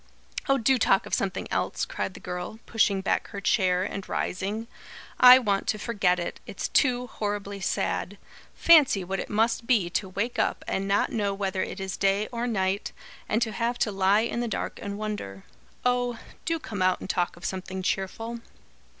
"Oh, do talk of something else!" cried the girl, pushing back her chair and rising. "I want to forget it. It's too horribly sad. Fancy what it must be to wake up and not know whether it is day or night, and to have to lie in the dark and wonder. Oh, do come out and talk of something cheerful."